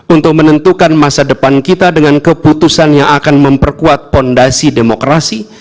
untuk menentukan masa depan kita dengan keputusan yang akan memperkuat fondasi demokrasi